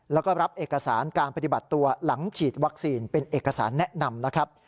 แล้วก็รับเอกสารการปฏิบัติตัวหลังฉีดวัคซีนเป็นเอกสารแนะนำนะครับ